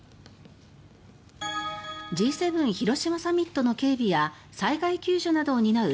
Ｇ７広島サミットの警備や災害救助などを担う